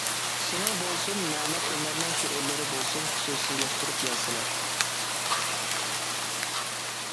سېنىڭ بولسۇن مەمەت ئۆمەرنىڭ شېئىرلىرى بولسۇن خۇسۇسىيلاشتۇرۇپ يازىسىلەر.